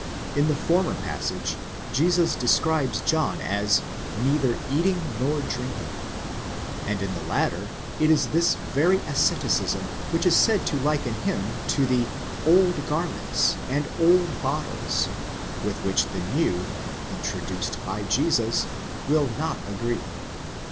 In the former passage Jesus describes John as μήτε ἐσθίων μήτε πίνων, neither eating nor drinking ; and in the latter it is this very asceticism which is said to liken him to the ἱματίοις and ἀσκοῖς παλαιοῖς, the old garments and old bottles, with which the new, introduced by Jesus, will not agree.